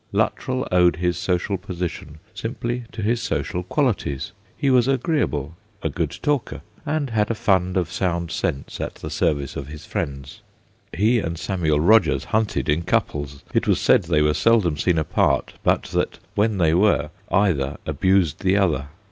Luttrell owed his social position simply to his social qualities : he was agreeable, a good talker, and had a fund of sound sense at the service of his friends. He and Samuel Rogers hunted in couples ; it was said they were seldom seen apart, but that when they were, either abused the other.